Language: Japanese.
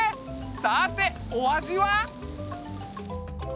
さてお味は？